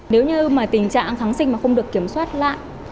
nếu như mà tình trạng kháng sinh mà không được kiểm soát lại